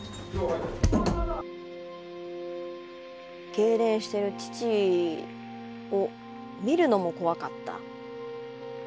けいれんしてる父を見るのも怖かった。